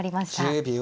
１０秒。